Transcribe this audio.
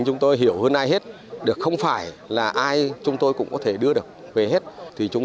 chúng tôi hiểu hơn ai hết được không phải là ai chúng tôi cũng có thể đưa được về hết thì chúng